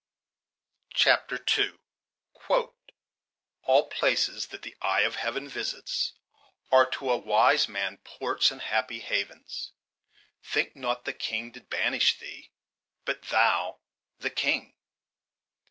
CHAPTER II All places that the eye of heaven visits Are to a wise man ports and happy havens: Think not the king did banish thee: But thou the king.